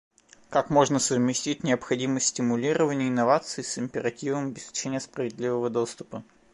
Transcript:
Как можно совместить необходимость стимулирования инноваций с императивом обеспечения справедливого доступа?